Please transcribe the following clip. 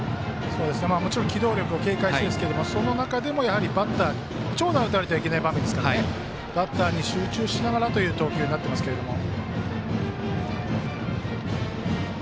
もちろん機動力を警戒してるんですけどその中でもバッターに長打を打たれてはいけない場面ですからバッターに集中しながらという投球になってますけども。